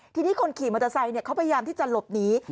ทีนี้คนขี่มอเตอร์ไซค์เขาพยายามที่จะหลบหนี